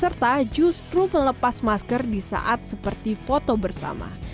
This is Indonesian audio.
serta justru melepas masker di saat seperti foto bersama